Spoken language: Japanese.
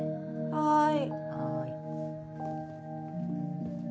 はい。